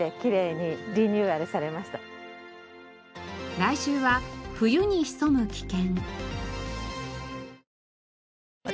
来週は冬に潜む危険。